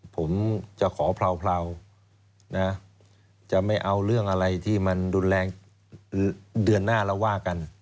ผมจะขอเผลานะจะไม่เอาเรื่องอะไรที่มันรุนแรงเดือนหน้าเราว่ากัน